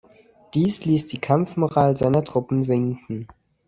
Dies ließ die Kampfmoral seiner Truppen sinken.